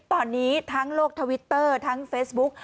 ตอนนี้ทั้งโลกทวิตเตอร์ทั้งเฟซบุ๊ก